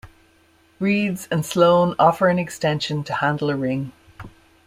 Reeds and Sloane offer an extension to handle a ring.